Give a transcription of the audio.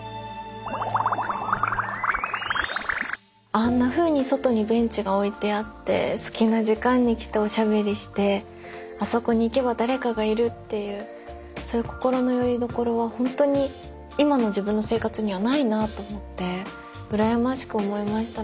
あんなふうに外にベンチが置いてあって好きな時間に来ておしゃべりしてあそこに行けば誰かがいるっていうそういう心のよりどころはホントに今の自分の生活にはないなと思って羨ましく思いましたね。